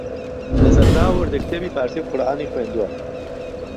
لە سەرەتاوە وردەکتێبی فارسی و قورئانی خوێندووە